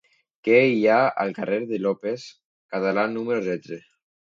Què hi ha al carrer de López Catalán número setze?